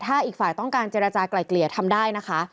ถ้าอีกฝ่ายต้องการเจรจากลายเกลี่ยทำได้นะคะ